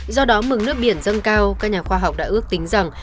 do đó mực nước biển dâng cao các nhà khoa học đã ước tính rằng